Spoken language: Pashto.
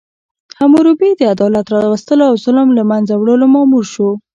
حموربي د عدالت راوستلو او ظلم له منځه وړلو مامور شو.